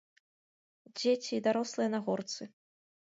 Дзеці і дарослыя на горцы.